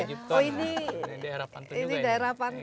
ini daerah pantun juga ya